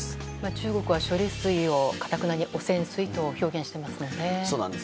中国は処理水をかたくなに汚染水と表現していますよね。